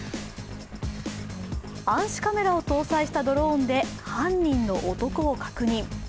暗視カメラを搭載したドローンで犯人の男を確認。